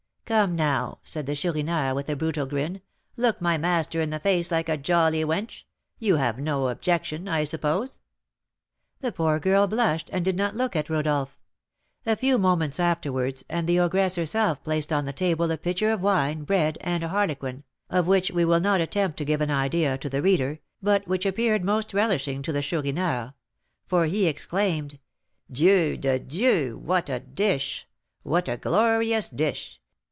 "Come, now," said the Chourineur, with a brutal grin, "look my master in the face like a jolly wench. You have no objection, I suppose?" The poor girl blushed, and did not look at Rodolph. A few moments afterwards, and the ogress herself placed on the table a pitcher of wine, bread, and a harlequin, of which we will not attempt to give an idea to the reader, but which appeared most relishing to the Chourineur; for he exclaimed, "Dieu de Dieu! what a dish! What a glorious dish!